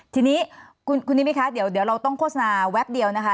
ทีนี้คุณนิมิตคะเดี๋ยวเราต้องโฆษณาแวบเดียวนะคะ